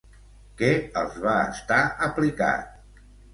Què els va estar aplicat?